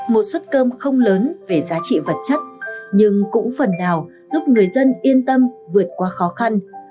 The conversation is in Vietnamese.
một suất cơm không lớn về giá trị vật chất nhưng cũng phần nào giúp người dân yên tâm vượt qua khó khăn